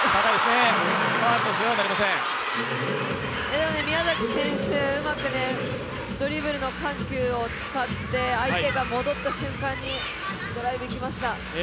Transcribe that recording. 今、宮崎選手うまくドリブルの緩急を使って相手が戻った瞬間にドライブ行きました。